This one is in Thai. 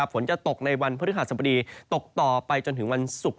ฝนจะตกในวันพฤหัสบดีตกต่อไปจนถึงวันศุกร์